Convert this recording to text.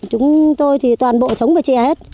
chúng tôi thì toàn bộ sống với chè hết